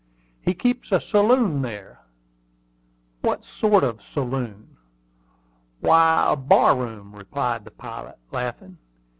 "He keeps a saloon there." "What sort of a saloon?" "Why, a bar room," replied the pilot, laughing.